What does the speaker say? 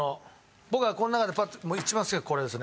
僕はこの中でパッともう一番好きなのこれですね。